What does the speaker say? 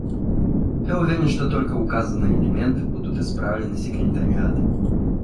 Я уверен, что только указанные элементы будут исправлены секретариатом.